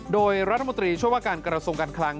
โดยรัฐมนตรีช่วยว่าการกระทรวงการคลัง